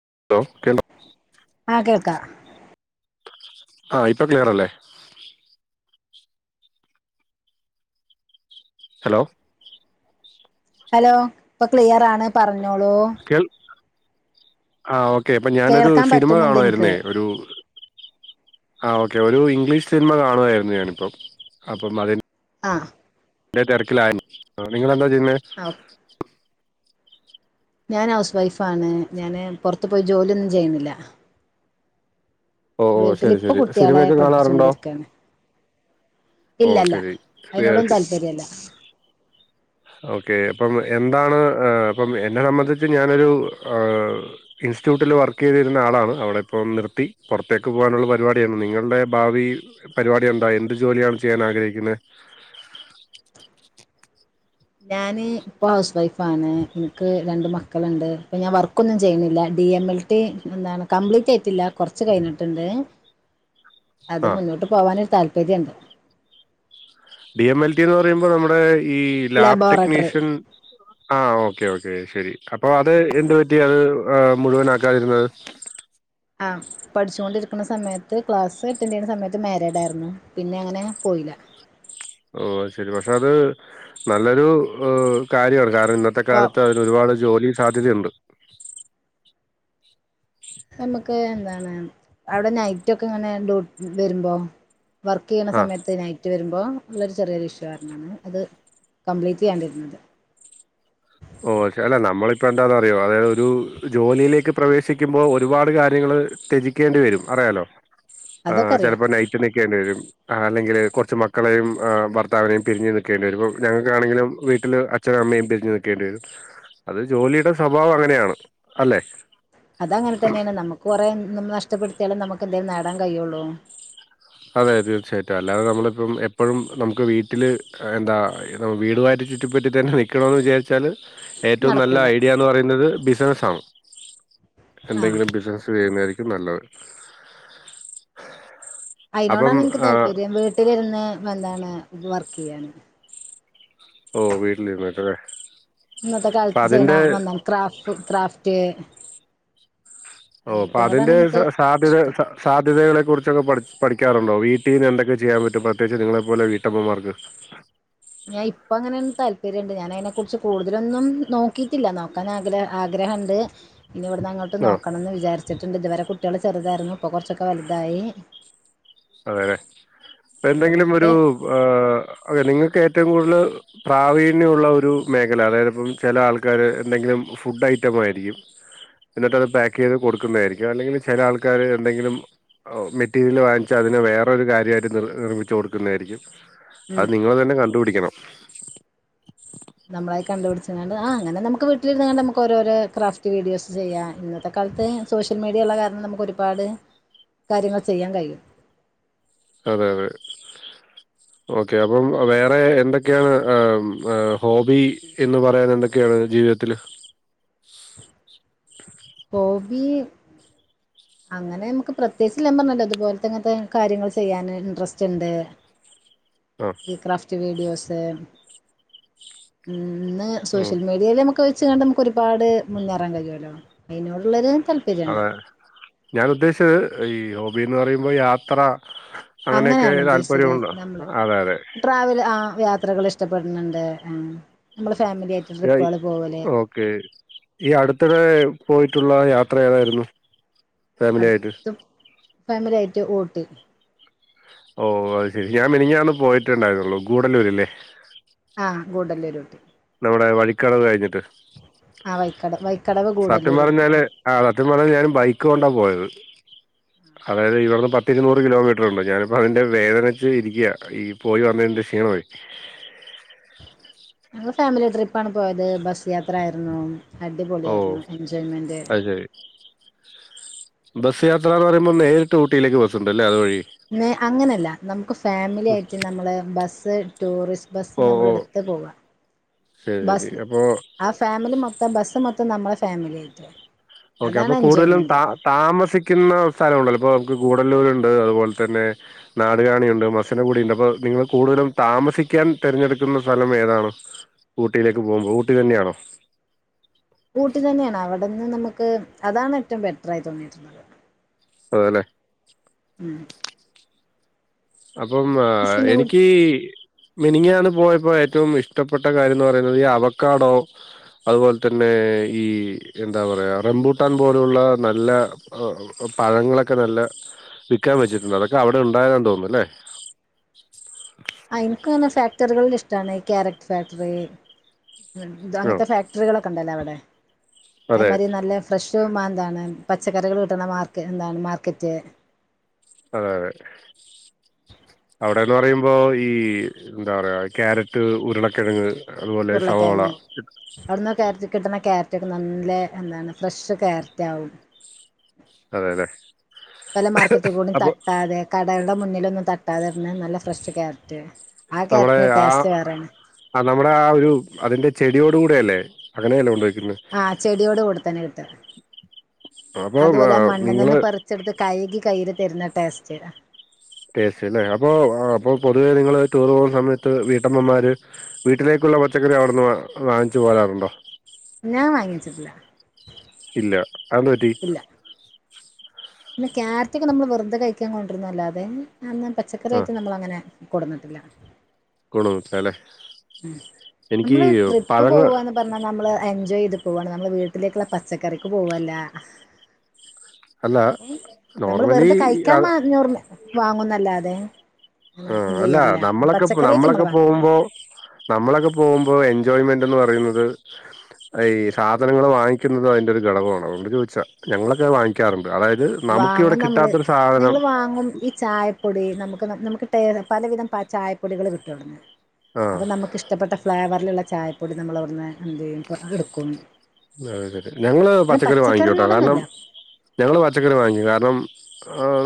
[unintelligible] ആ കേൾക്കാം ആ ഇപ്പൊ ക്ലിയർ അല്ലേ ഹലോ ഹലോ ഇപ്പൊ ക്ലിയർ ആണ് പറഞ്ഞ് ഞ്ഞോളൂ കേൾ ആ ഓക്ക് ഓക്കെ അപ്പൊ ഞാനൊരു സിനിമ പറ്റുന്നുണ്ട് എനിക്ക് കാണുവായിരുന്നേ ഒരു ആ ഓക്കെ ഒരു ഇംഗ്ലീഷ് സിനിമ കാണുവായിരുന്നു ഞാനിപ്പം അപ്പം അതി ആ എന്റെ തിരക്കിലായന്ന് ആ നിങ്ങളെന്താ ചെ പിന്നെ ഞാന് ഹൗസ് വൈഫ് ആണ് ഞാന് പുറത്തു പോയി ജോലിയൊന്നും ചെയ്യ്ന്നില്ല ഓ ഓ ശരി വീട്ടിലിപ്പൊ ശരി കുട്ടികളെ സിനിമയൊക്കെ കാണാറുണ്ടോ പഠിപ്പിച്ചോണ്ടിരിക്കയാണ് ഓ ഇല്ലല്ല ശരി അതിനോടൊന്നും താല്പര്യല്ല ഓക്കെ അപ്പം എന്താണ് അപ്പം എന്നെ സംബന്ധിച്ച് ഞാനൊരു ഇൻസ്റ്റിറ്റ്യൂട്ടിൽ വർക്ക് ചെയ്തിരുന്ന ആളാണ് അവിടെ ഇപ്പം നിർത്തി പുറത്തേക്ക് പോകാനുള്ള പരിപാടിയാണ് നിങ്ങളുടെ ഭാവി പരിപാടി എന്താ എന്ത് ജോലിയാണ് ചെയ്യാൻ ആഗ്രഹിക്കുന്നത് ഞാന് ഇപ്പൊ ഹൗസ് വൈഫാണ് ഇൻക്ക് രണ്ട് മക്കള്ണ്ട് ഇപ്പൊ ഞാൻ വർക്കൊന്നും ചെയ്യുന്നില്ല ഡി എം എൽ ടി എന്താണ് കംപ്ലീറ്റ് ആയിട്ടില്ല കൊറച്ച് കഴിഞ്ഞിട്ട്ണ്ട് അത് ആ മുന്നോട്ട് പോകാനൊരു താൽ പര്യണ്ട് ഡി എം എൽ ടി എന്ന് പറയുമ്പോ നമ്മുടെ ഈ ലാബ് ലബോറട്ടറി ടെക്നീഷ്യൻ ആ ഓ ഓക്കെ ഓക്കെ ശരി അപ്പൊ അത് എന്ത് പറ്റി അത് മുഴുവനാക്കാതിര്ന്നത് ആഹ് പഠിച്ചുൊണ്ടിരിക്കുന്ന സമയത്ത് ക്ലാസ് അറ്റൻഡ് ചെയ്യുന്ന സമയത്ത് മാരേഡ് ആയിരുന്നു പിന്നെ അങ്ങനെ പോയില്ല ഓ ശരി പക്ഷെ അത് നല്ലൊരു കാര്യണ് ക ഇന്നത്തെ ഓ കാലത്ത് അതിനോരുപാ ജോലി സാധ്യതയുണ്ട് നമുക്ക് എന്താണ് അവിടെ നൈറ്റ് ഒക്കെ ഇങ്ങനെ ഡ വരുമ്പോ വർക്ക് ചെയ്യണ ആ സമയത്ത് നൈറ്റ് വരുമ്പോ ഉള്ളൊരു ചെറിയൊരു ഇഷ്യൂ കാരണമാണ് അത് കംപ്ലീറ്റ് ചെയ്യാണ്ടിരുന്നത് ഓ അല്ല നമ്മളിപ്പോ എന്താന്ന് അറിയോ അതായത് ഒരു ജോലിയിലേക്ക് പ്രവേശിക്കുമ്പോ ഒരുപാട് കാര്യങ്ങൾ ത്യജിക്കേണ്ടി വരും അറിയാലോ ആ അതൊക്കെ അറിയാം ചിലപ്പോ നൈറ്റ് നിക്കേണ്ടി വരും അല്ലെങ്കിൽ കൊറച്ച് മക്കളെയും ഭർത്താവിനെയും പിരിഞ്ഞു നിക്കേണ്ടി വരും ഞങ്ങൾക്കാണെങ്കിലും വീട്ടില് അച്ഛനും അമ്മയും പിരിഞ്ഞു നി നിക്കേണ്ടി വരും അത് ജോലിയുടെ സ്വഭാവം അങ്ങനെയാണ് അല്ലെ അത് അങ്ങനെ തന്നെയാണ് നമുക്ക് കുറേ മം നഷ്ടപ്പെടുത്തിയാലും നമുക്ക് എന്തേലും നേടാൻ കഴിയുള്ളൂ അതെ തീർച്ചയായിട്ടും അല്ലാതെ നമ്മളിപ്പം എപ്പഴും നമുക്ക് വീട്ടില് എന്താ വീടും ആയിട്ട് ചുറ്റിപ്പറ്റി തന്നെ നിക്കണന്ന് വിചാരിച്ചാല് ഏറ്റവും നല്ല നടക്കൂല ഐഡിയാന്ന് പറയുന്നത് ബിസിനസ്സ് ആണ് ആ എന്തെങ്കിലും ബിസിനസ്സ് ചെയ്യുന്നതായിരിക്കും നല്ലത് അപ്പം അയിനോടാണ് എനിക്ക് ആഹ് താല്പര്യം വീട്ടിലിരുന്ന് നല്ലാണ് വർക്ക് ചെയ്യാൻ ഓ വീട്ടിലിരുന്നിട്ടല്ലേ ഇന്നത്തെ അപ്പൊ കാലത്ത് ചെയ്ണ അതിന്റെ വന്ന ക്രാഫ് ക്രാഫ്റ്റ് ഓ അപ്പൊ അങ്ങനത്തിനോടാണ് അതിന്റെ എനിക്ക് സാധ്യത ഇഷ്ടം സാധ്യതകളെ കുറിച്ചൊക്കെ പഠി പഠി ക്ക്യാറുണ്ടോ വീട്ടീന്ന് എന്തൊക്കെ ചെയ്യാൻ പറ്റും പ്രത്യേകിച്ച് നിങ്ങളെ പോലെ വീട്ടമ്മമാർക്ക് ഞാൻ ഇപ്പങ്ങനെയൊന്നും തല്പ പര്യണ്ട്‌ ഞാനയ്നെക്കുറിച്ച് കൂടുതലൊന്നും നോക്കീട്ടില്ല നോക്കാനാ ഗ്രഹ ആഗ്രഹണ്ട് ഇനി ഇവിടുന്ന് അങ്ങോട്ട് ആഹ് നോക്കണംന്ന് വിചാരി വച്ചിട്ടുണ്ടിതുവരെ കുട്ട്യേള് ചെറുതായിരുന്നു ഇപ്പൊ കൊർച്ചൊക്കെ വലുതായി അതെ പ്പെന്തെങ്കിലും ഇവിടന്നിട്ട് ഒരു ഏറ്റവും കൂടുതല് പ്രാവീണ്യ ഉള്ള ഒരു മേഖല അതായത് ഇപ്പം ചില ആൾക്കാര് എന്തെങ്കിലും ഫുഡ് ഐറ്റം ആയിരിക്കും പിന്നട്ട്ത് പാക്ക് ചെയ്ത് കൊടുക്കുന്നതായിരിക്കും അല്ലെങ്കില് ചെല ആൾക്കാര് എന്തെങ്കിലും മെറ്റീരിയൽ വാങ്ങ ച്ചാ അതിന് വേറൊരു കാര്യായിട്ട് നിർ നിർമ്മിച്ച് കൊടുക്കുന്നായിരിക്കും ഉം അത് നിങ്ങള് തന്നെ കണ്ട കണ്ടുപിടിക്കണം നമ്മളായി കണ്ടുപിടിച്ച്കാണ്ട് ആ അങ്ങനെ നമുക്ക് വീട്ടിലിരുന്നാണ്ട് നമുക്ക് ഓരോരോ ക്രാഫ്റ്റ് വീഡിയോസ് ചെയ്യാം ഇന്നത്തെ കാലത്ത് സോഷ്യൽ മീഡിയ ഉള്ള കാരണം നമുക്ക് ഒരുപാട് കാര്യങ്ങൾ ചെയ്യാൻ കഴിയും അതെ അതെ ഓക്കെ അപ്പം വേറെ എന്തൊക്കെയാണ് ഹോബി എന്ന് പറയാൻ എന്തൊക്കെയാണ് ജീവിതത്തില് ഹോബി അങ്ങനെ നമുക്ക് പ്രത്യേകിച്ച്ല്ലാം പറഞ്ഞല്ലോ അതുപോലത്തെ ഇങ്ങനത്തെ കാര്യങ്ങൾ ചെയ്യാന് ഇൻട്രസ്റ്റ് ഇണ്ട് ആ ഈ ക്രാഫ്റ്റ് വീഡിയോസ് തെ ഉം ഇന്ന് ഉം സോഷ്യൽ മീഡിയയില് മ ഒക്കെ വെച്ച്കാണ്ട് നമുക്ക് ഒരുപാട് മുന്നേറാൻ കഴിയുമല്ലോ അയിനോടുള്ളൊരു താല്പര്യണ്ട് അതെ ഞാൻ ഉദ്ദേശിച്ച ഈ ഹോബിന്ന് പറയുമ്പോ യാത്ര അങ്ങനെയൊക്കെ അങ്ങനെയാണ് ഉദ്ദേശിച്ചത് താല്പര്യമുണ്ടോ നമ്മള് അതെ അതെ ട്രാവൽ ആഹ് യാത്രകൾ ഇഷ് ഇഷ്ടപ്പെടുണ്ണ്ട് നമ്മള് ഫാമിലി ആയിട്ട് ട്രിപ്പുകൾ [unintelligible] പോവല് ഓക്കെ ഈ അടുത്തിടെ പോയിട്ടുള്ള യാത്ര ഏതായിരുന്നു? ഫാമിലി ആയിട്ട് അടുത്തും ഫാമിലി ആയിട്ട് ഊട്ടി ഓഹ് അത് ശെരി ഞാൻ മിനിഞ്ഞാന്ന് പോയിട്ടുണ്ടായിരുന്നുള്ളു ഗൂഡല്ലൂരില്ലേ ആഹ് ഗൂഡല്ലൂരോട്ടി ഇവിടെ വഴിക്കടവ് കഴിഞ്ഞ് ട്ട് ആ വൈക്കട വൈക്കടവ് സത്യം ഗൂഡല്ലൂര് ഊട്ടി പറഞ്ഞാല് ആ സത്യം പറഞ്ഞാ ഞാന് ബൈക്ക് കൊണ്ടാ പോയത്. അതായത് ഇവട്ന്ന് പത്തിരുനൂറ് കിലോമീറ്ററുണ്ട് ഞാനിപ്പോ അതിന്റെ വേദനച്ച് ഇരിക്ക്യാ ഈ പോയി വന്നതിന്റെ ക്ഷീണമേ ഞങ്ങൾ ഫാമിലി ട്രി [unintelligible] പോയത് ബസ് യാത്ര ആയ [unintelligible] ഓ അടിപൊളിയായിരുന്നു എൻജോയ്മെന്റ് അത് ശരി ബസ് യാത്രന്ന് പറയുമ്പോൾ നേരിട്ട് ഊട്ടിലേക്ക് ബസ്സണ്ടല്ലേ അതുവഴി [unintelligible] അങ്ങനെയല്ല നമുക്ക് ഫാമിലിയായിട്ട് നമ്മള് ബസ് [unintelligible] ടൂറിസ് ബസ് ഓ നമ്മൾ ഓ എടുത്ത് പോവാ ശരി ശരി ബസ് അപ്പോ ആ ഫാമിലി മൊത്തം ബസ് മൊ [unintelligible] നമ്മളെ ഫാമിലി ആയിട്ട [unintelligible] ഓക്കെ അപ്പൊ കൂടുതലും ത താമസിക്കുന്ന സ്ഥലം ഉണ്ടല്ലോ ഇപ്പൊ ക്ക് കൂടല്ലൂരുണ്ട് അതുപോലെ തന്നെ നാടുകാണിയുണ്ട് മസിനപൊടി ഉണ്ട് അപ്പൊ നിങ്ങൾ കൂടുതലും താമസിക്കാൻ തിരഞ്ഞെടുക്കുന്ന സ്ഥലം ഏതാണ ഊട്ടിയിലേക്ക് പോകുമ്പോ ഊട്ടി തന്നെയാണോ ഇന്ന് നമുക്ക് അതാണ് ഏറ്റവും ബെറ്റർായി തോന്നിയിട്ട്ള്ളത് അതലെ ഉം അപ്പം ആഹ് പിന്നെ എനിക്ക് മിനങ്ങാണ് പോയപ്പോ ഏറ്റവും ഇഷ്ടപ്പെട്ട കാര്യംന്ന് പറയുന്നത് ഈ അവക്കാടോ അതുപോലെ തന്നെ ഈ എന്താ പറയാ റംബൂട്ടാൻ പോലെയുള്ള നല്ല പഴങ്ങളൊക്കെ നല്ല വിൽക്കാൻ വച്ചിട്ടുണ്ട് അതൊക്കെ അവിടെ ഉണ്ടായിഡാണ് തോന്നുന്നു ല്ലേ ഫാക്ടറികളിള് ഇഷ്ടണ് ക്യാരറ്റ് ഫാക്ടറി തു ആ അങ്ങൻത്തെ ഫാക്ടറികളൊക്കെണ്ടല്ലോ അവിടെ അത് അതെ മതി നല്ല ഫ്രഷ് മ എന്താണ് പച്ചക്കറികൾ കിട്ടുന്ന മാർക്ക് എന്താണ് മാർക്കറ്റ് അതെ അതെ അവിടെന്ന് പറയുമ്പോ ഈ എന്താ പറയാ ക്യാരറ്റ്, ഉരുളക്കെഴങ്ങ് ഉരുളക്കെഴങ്ങ് അവിടുന്ന് ക്യാരറ്റ് കിട്ടണ ക്യാര റ്റൊക്കെ നല്ല എന്താണ് ഫ്രഷ് ക്യാരറ്റാവും അതേല്ലെ പല മാർക്കറ്റ്ക്കൂടി തട്ടാതെ കടയുടെ മുന്നിലൊന്നും ത ട്ടാതന്നെ നല്ല ഫ്രഷ് ക്യാരറ്റ് ആ നമ്മളെ ക്യാരറ്റിന്റെ ആ ടേസ്റ്റ് വേറെയാണ് നമ്മുടെ ആ ഒരു അതിന്റെ ചെ ടിയോടു കൂടെയല്ലേ അങ്ങെനാണ്ട് കൊണ്ടോയി ആ ചെടിയോട് കൂടത്തന്നെ കിട്ടാ അപ്പൊ അതു അല്ല മണ്ണ് നിങ്ങള് നിന്ന് പറിച്ചെടുത്ത് കഴ്കി കൈയില് തരുന്ന ടേസ്റ്റെയ്താ ടേസ്റ്റ്ല്ലേ അപ്പൊ ആ അപ്പൊ പൊതുവേ നിങ്ങള് ടൂറ് പോകുന്ന സമയത്ത് വീട്ടമ്മമാര് വീട്ടിലേക്കുള്ള പച്ചക്കറി അവിടുന്ന് വാ വാങ്ങിച്ചു പോരാറുണ്ടോ? ഞാൻ വാങ്ങിവെച്ച്ട്ടില്ല ഇല്ല അഹ് ന്തുപറ്റി പിന്നെ ക്യാരറ്റൊക്കെ നമ്മള് വെറുതെ കഴിക്കാൻ കൊണ്ടരുന്നല്ലാതെ ആ ന്നാല് ആ പച്ചക്കറിയായിട്ട് നമ്മളങ്ങനെ കൊടുന്നിട്ടില്ല കൊട്ന്നുച്ചാല്ലേ ഉം നമ്മള് ട്രിപ്പ് പഴങ്ങൾ പോവന്ന് പറഞ്ഞാൽ നമ്മള് എൻജോയ് ചെയ് പോവാണ് നമ്മൾ വീട്ടിലേക്കുള്ള പച്ചക്കറിക്ക് പോവല്ല അല്ല അപ്പം നമ്മള് നോർമലി വെറുതെ കഴിക്കാൻ അത് മാറിഞ്ഞോർഞ്ഞ വാങ്ങുന്നല്ലാതെ ആഹ് എന്ത് അല്ല ചെയ്യല്ല നമ്മളൊക്കെ പച്ചക്കറിയായിട്ട് നമ്മള് നമ്മളൊക്കെ വാങ്ങലില്ല പോവുമ്പോ നമ്മളൊക്കെ പോകുമ്പോ എൻ ജോയ്മെന്റ് എന്ന് പറയുന്നത് ആ ഈ സാധനങ്ങൾ വാങ്ങിക്കുന്നതും അയ്ന്റെ ഒരു ഘടകമാണ് അതോണ്ട് ചോദിച്ചാ ഞങ്ങളൊക്കെ വാങ്ങിക്കാറു വാങ്ങും നമ്മള് ഞങ്ങള് വാങ്ങും ഈ ചായപ്പൊടി നമു [unintelligible] നമുക്ക് ട്ടെ പലവിധം പ ചായപ്പൊടികള് കിട്ടൊവ്ട്ന്ന് ആ അപ്പം നമുക്കിഷ്ടപ്പെട്ട ഫ്ലേവർ ല്ള്ള ചായപ്പൊടി നമ്മളവ്ട്ന്ന് എന്തെയ്യും എട്ക്കും [unintelligible] ഞങ്ങള് പച്ചക്കറി വാങ്ങിക്കൂട്ടോ കാരണം പച്ചക്കറിനോടൊന്നുമില്ല ഞങ്ങള് പച്ചക്കറി വാങ്ങിക്കും കാരണം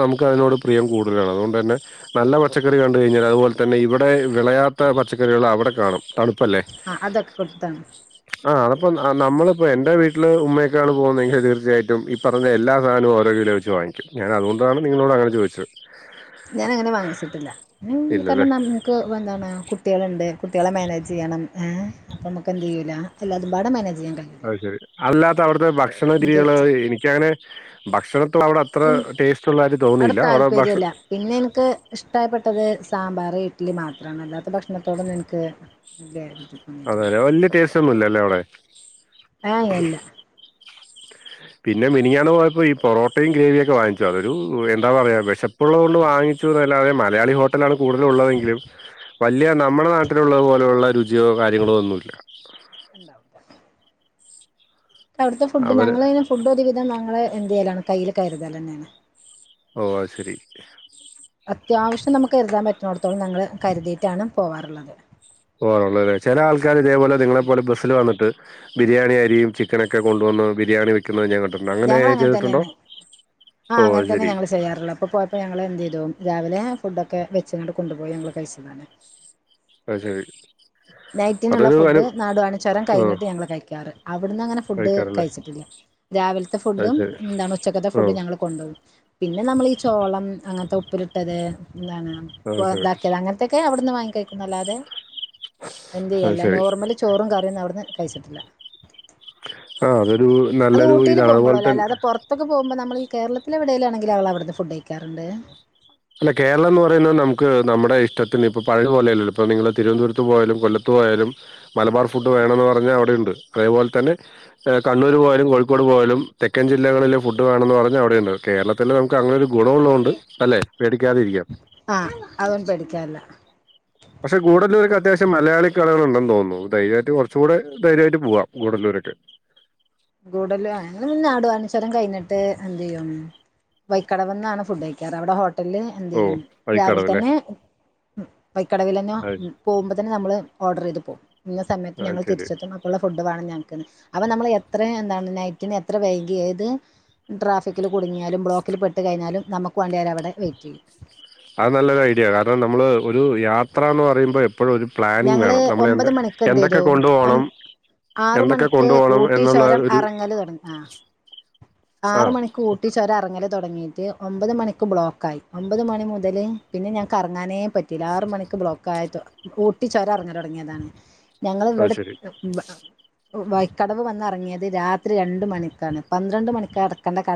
നമുക്കതിനോട് പ്രിയം കൂടുതലാണ് അതുകൊണ്ട് തന്നെ നല്ല പച്ചക്കറി കണ്ട് കഴിഞ്ഞാൽ അതുപോലെ തന്നെ ഇവിടെ വിളയാത്ത പച്ചക്കറികൾ അവിടെ കാണും തണു ആഹ് അതൊക്കെ കൊട്ത്താണ് ആ അപ്പം അ നമ്മള് പ്പോ എന്റെ വീട്ടില് ഉമ്മ ഒക്കാണ് പോകുന്നതെങ്കി തീർച്ചായിട്ടും ഈ പറഞ്ഞ എല്ലാ സാനവും ഓരോ കിലോ വെച്ച് വാങ്ങിക്കും ഞാൻ അതുകൊണ്ടാണ് നിങ്ങളോട് അങ്ങനെ ചോദിച്ചത് ഞാന് അങ്ങനെ വാങ്ങിച്ചിട്ടില്ല ഇല്ലല്ലേ കാരണം നമുക്ക് വെന്താണ് കുട്ടികള്ണ്ട് കുട്ട്യാളെ മാനേജെയ്യണം അപ്പം നമുക്കെന്തെയ്യൂല എല്ലാതുംപാടെ മാനേ അഹ്ശരി അല്ലാത്തവ്ടുത്തെ ഭക്ഷണ രീതികള് എനിക്കങ്ങനെ ഭക്ഷണം ളവ്ടത്ര എനിക്ക് ടേസ്റ്റുള്ളാതിരി തോന്നിയില്ല അവിടെ ഭക്ഷ ഇത്തത് സാമ്പാർ ഇഡലി മാത്രമാണ് അല്ലാത്ത ഭക്ഷണത്തോടൊന്നും എനിക്ക് ഇല്ലായിും അതെ വലിയ ടെസ്റ്റ്‌ ഒന്നുമല്ലോ അല്ല അവിടെ ആഹ അല്ല പിന്നെ മിനഞ്ഞാണ് പോയപ്പോ ഈ പൊറോട്ടയും ഗ്രേവിയൊക്കെ വാങ്ങിച്ചു അതൊരു എന്താ പറയാ വിശപ്പുള്ളത് കൊണ്ട് വാങ്ങിച്ചുല്ലാതെ മലയാളി ഹോട്ടലാണ് കൂടുതലും ഉള്ളതെങ്കിലും വലിയ നമ്മുടെ നാട്ടിലുള്ളത് പോലെയുള്ള രുചിയോ കാര്യങ്ങളോ ഒന്നുമല്ല ഉണ്ടാവും അവിടുത്തെ ഫുഡ് അവര് ഞങ്ങള ഫുഡ് ഒരുവിധം ങ്ങളെ എന്തലാണ് കയ്യിൽ കരുതലന്നെയാണ് ഓ അത് ശരി അത്യാവശ്യം നമുക്ക് കരുതാൻ പറ്റണിടത്തോളം ങ്ങൾ കരുതിയിട്ടാണ് പോവാാറുള്ളത് പോഓണേ ചില ആൾക്കാർ ഇതേപോലെ നിങ്ങളെ പോലെ ബസ്സിൽ വന്നിട്ട് ബിരിയാണി അരിയും ചിക്കനൊക്കെ കൊണ്ടുവന്ന് ബിരിയാണി വ ഞങ്ങ അങ്ങനെ തന്നെയാണ് ആഹ ഓ അങ്ങനെ അത് തന്നെ ശരി ഞങ്ങൾ ചെയ്യാറുള്ളൂ അപ്പൊ പോയപ്പോ ഞങ്ങള് എന്ത് ചെയ്തുവും രാവിലെ ഫുഡ് ഒക്കെ വെച്ച്ട്ട് കൊണ്ടുപോയി ഞങ്ങൾ കഴിച്ചതാണ് അ ശരി നൈറ്റിനുള്ള അതൊരു ഫുഡ് അനു നാടുവാണിച്ചോരം ആ കഴിഞ്ഞിട്ട് ഞങ്ങള് കഴിക്കാറ് അവിടുന്ന് അങ്ങനെ ഫുഡ് കഴിക്കാറല്ലേ കഴിച്ചിട്ടില്ല രാവിലത്തെ അത് ഫുഡും ശരി എന്താണ് ഉച്ചക്കത്തെ ആ ഫുഡും ഞങ്ങള് കൊണ്ടോ യി പിന്നെ നമ്മളി ഈ ചോളം അങ്ങനത്തെ ഉപ്പില ഇട്ടത് എന്താണ് അത് ശരി ഇതാക്കിയത് അങ്ങനത്തെക്കെ അവിടുന്ന് വാങ്ങി കേൾക്കുന്നല്ലാതെ എന്ത് അത് ചെയ്യല്ല ശരി നോർമല് ചോറും കറിയും അവിട ന്ന് കയി ച്ചിട്ടില്ല ആഹ് അതൊരു നല്ലൊരു ഊട്ടിയിൽ ഇതാണ് അതുപോലെ തന്നെ കേരളത്തിലെഎവിടെലും മാണെങ്കിൽ അവൾ അവിടുന്ന് ഫുഡ് കഴിക്കാറുണ്ട് അല്ല കേരളം എന്ന് പറയുന്നത് നമുക്ക് നമ്മുടെ ഇഷ്ടത്തിന് ഇപ്പ പഴയ പോലെയല്ല ല്ലോ ഇപ്പോൾ നിങ്ങള് തിരുവനന്തപുരത്ത് പോയാലും കൊല്ലത്ത് പോയാലും മബാർ ഫുഡ് വേണം എന്ന് പറഞ്ഞാൽ അവിടെ ഉണ്ട് അതേപോലെ തന്നെ കണ്ണൂർ പോയാല കോഴിക്കോട് പോയാലും തെക്കൻ ജില്ലകളിലെ ഫുഡ് വേണമന്ന് പറഞ്ഞാൽ അവിടെയ ഉണ്ട് കേരളത്തില് നമുക്ക് അങ്ങനെ രു ഗുണമുള്ളോണ്ട് അല്ലേ ആഹ് അവൻ പടിക്കാല്ല പക്ഷെ ഗൂഡ ല്ലൂർക്കെ അത്യാവശ്യം മലയാളി കൾ ഉണ്ടെന്ന് തോന്നുന്നു ധൈര്യമായിട്ട് കുറച്ചുകൂടെ ധൈര്യമായിട്ട് പോകാം ഗൂഡല്ലൂർക്ക് ഗൂഡല്ലൂ ഞങ്ങൾ പിന്നെ നാടുകാണി ചുരം കഴിഞ്ഞിട്ട് എന്റെയും വൈക്കടവ് എന്നാണ് ഫുഡ് കഴിക്കാറ് ഹോ എല്ലേ എന്ത് ഓ ചെയ്യും വഴിക്കടവല്ലേ രാവിലെത്തന്നെ വൈക്കടവിൽ എന്നെ അത് പോ തന്നെ നമ്മള് ഓർഡർ ചെയ്തു പോകും ഇന്ന സമയത്ത് അത് ഞങ്ങൾ ശരി തിരിച്ചെത്തുംഅപ്പം ളെ ഫുഡ് വേണം ഞങ്ങൾക്ക്അപ്പം നമ്മള് എ എത്രയെന്താ നെറ്റിനെ എത്ര വൈകി ഏത് ട്രാഫിക്കില് കുടുങ്ങിയാലും ബ്ലോക്കിൽ പെട്ട് കഴിഞ്ഞാലും നമുക്ക് വേണ്ടി അവരെ അവിടെ വെയിറ്റ് ചെയ്യും അത് നല്ലൊരു ഐഡിയ ആണ് അത് നമ്മള് ഒരു യാത്ര പറയുമ്പഎ ഞങ്ങളെ ഒബാത് മണിക്ക് എന്ത് എന്തൊക്കെ ചെയ്തു? കൊണ്ടുപോകണം ആറ് എന്തൊക്കെ മണിക്ക് കൊണ്ടുപോകണം ഊട്ടി എന്നുള്ള ചുരം ഒരു കറങ്ങൽ തുടങ്ങി ആ അ [inaudible] [inaudible] [inaudible] അത് ശരി വൈക്കടവ് വന്നിറങ്ങിയത് രാത്രി രണ്ട് മണിക്കാണ് പന്ത്രണ്ട് മണി കിടക്കണ്ട കിട-